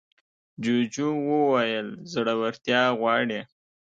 جوجو وویل زړورتيا غواړي.